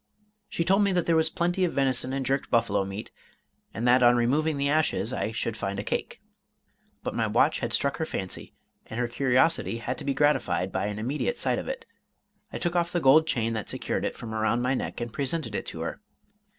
She told me that there was plenty of venison and jerked buffalo meat, and that on removing the ashes I should find a cake. But my watch had struck her fancy, and her curiosity had to be gratified by an immediate sight of it. I took off the gold chain that secured it, from around my neck, and presented it to her.